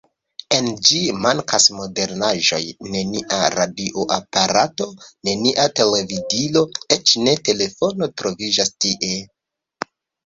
En ĝi mankas modernaĵoj: nenia radioaparato, nenia televidilo, eĉ ne telefono troviĝas tie.